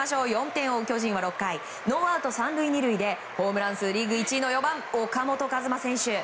４点を追う巨人は４回ノーアウト３塁２塁でホームラン数リーグ１位の４番、岡本和真選手。